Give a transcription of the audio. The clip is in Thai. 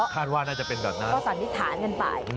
คาดว่าน่าจะเป็นแบบนั้นก็สันนิษฐานกันไป